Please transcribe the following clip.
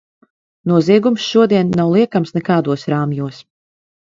Noziegums šodien nav liekams nekādos rāmjos.